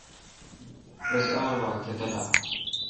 رس آر باگ تہ تلا۔